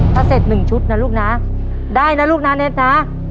ถ้าเสร็จหนึ่งชุดนะลูกน้าได้นะลูกน้าเน็ตน้า